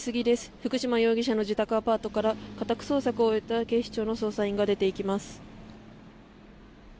福島容疑者の自宅アパートから家宅捜索を終えた警視庁の捜査員が出ていきます。